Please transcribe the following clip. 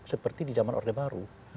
seperti di zaman orde baru